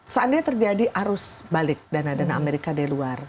seandainya terjadi arus balik dana dana amerika dari luar